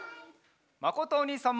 まことおにいさんも。